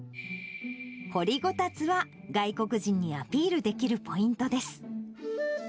掘りごたつは外国人にアピールできるポイントです。